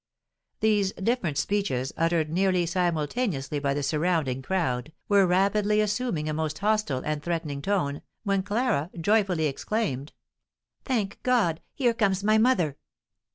These different speeches, uttered nearly simultaneously by the surrounding crowd, were rapidly assuming a most hostile and threatening tone, when Clara joyfully exclaimed: "Thank God, here comes my mother!"